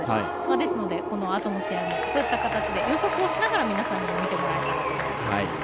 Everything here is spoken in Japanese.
ですので、このあとの試合もそういった形で予測をしながら皆さんにも見てもらえたらと思います。